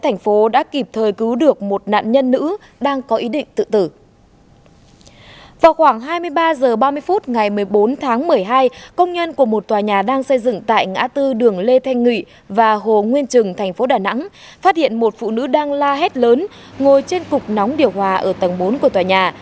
ngày một mươi bốn tháng một mươi hai công nhân của một tòa nhà đang xây dựng tại ngã tư đường lê thanh nghị và hồ nguyên trừng thành phố đà nẵng phát hiện một phụ nữ đang la hét lớn ngồi trên cục nóng điều hòa ở tầng bốn của tòa nhà